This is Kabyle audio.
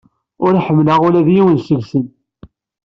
Ur ḥemmleɣ ula d yiwen seg-sen.